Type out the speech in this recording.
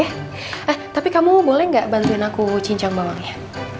eh tapi kamu boleh nggak bantuin aku cincang bawangnya